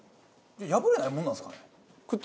破れないものなんですかね？